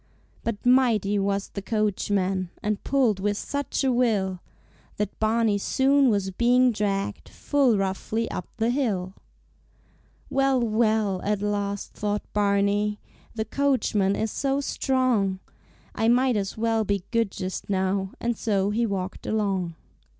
But mighty was the coachman And pulled with such a will That Barney soon was being dragged Full roughly up the hill. "Well, well!" at last thought Barney, "The coachman is so strong, I might as well be good just now," And so he walked along.